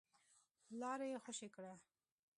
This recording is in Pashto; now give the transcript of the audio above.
لاره يې خوشې کړه.